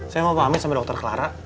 saya mau pamit sama dokter clara